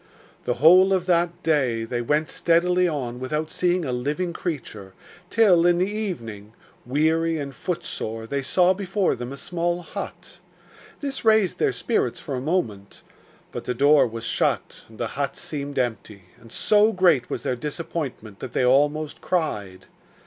The whole of that day they went steadily on without seeing a living creature, till, in the evening, weary and footsore, they saw before them a small hut. This raised their spirits for a moment; but the door was shut, and the hut seemed empty, and so great was their disappointment that they almost cried.